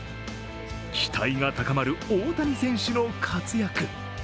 期待が高まる大谷選手の活躍。